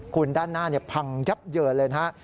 คุณด้านหน้าเนี่ยพังยับเยอะเลยนะฮะ